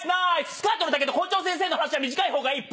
スカートの丈と校長先生の話は短い方がいい。